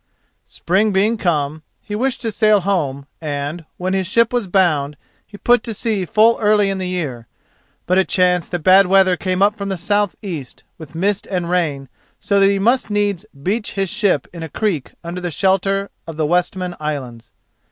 Spring being come, he wished to sail home, and, when his ship was bound, he put to sea full early in the year. But it chanced that bad weather came up from the south east, with mist and rain, so he must needs beach his ship in a creek under shelter of the Westman Islands.